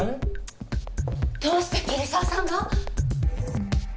どうして桐沢さんが？